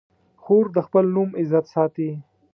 خور د خپل نوم عزت ساتي.